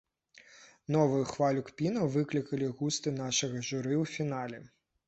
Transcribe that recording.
Новую хвалю кпінаў выклікалі густы нашага журы ў фінале.